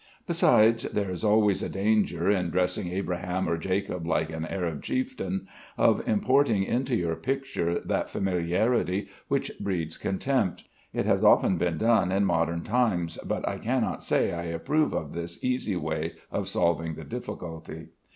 Besides, there is always a danger, in dressing Abraham or Jacob like an Arab chieftain, of importing into your picture that familiarity which breeds contempt. It has often been done in modern times, but I cannot say I approve of this easy way of solving the difficulty.